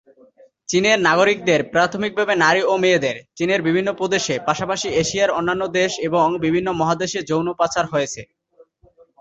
চীনের নাগরিকদের, প্রাথমিকভাবে নারী ও মেয়েদের, চীনের বিভিন্ন প্রদেশে, পাশাপাশি এশিয়ার অন্যান্য দেশ এবং বিভিন্ন মহাদেশে যৌন পাচার হয়েছে।